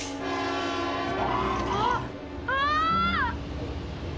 「あっああ！」